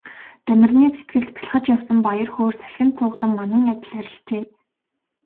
Дамираны сэтгэлд бялхаж явсан баяр хөөр салхинд туугдсан манан адил арилжээ.